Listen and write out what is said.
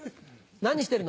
何してるの？